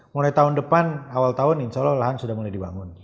mulai tahun depan awal tahun insya allah lahan sudah mulai dibangun